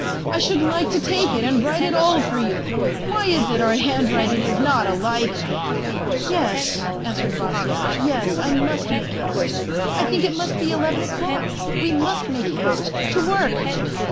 I should like to take It and write it all for you. ... Why is it our handwriting is not alike ?"" Yes," answered Vasya. " Yes, I must make haste. I think it must be eleven o'clock ; we must make haste. ... To work